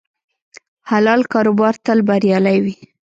حلال کاروبار تل بریالی وي.